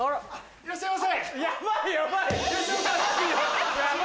いらっしゃいませ。